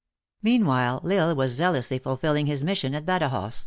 Meanwhile, L Isle was zealously fulfilling his mis sion at Badajoz.